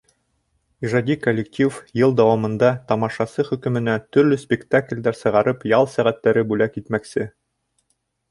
Ижади коллектив йыл дауамында тамашасы хөкөмөнә төрлө спектаклдәр сығарып, ял сәғәттәре бүләк итмәксе.